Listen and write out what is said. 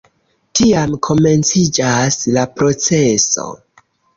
Tiam komenciĝas la proceso.